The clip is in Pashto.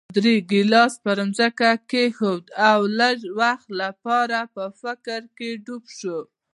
پادري ګیلاس پر ځمکه کېښود او لږ وخت لپاره په فکر کې ډوب شو.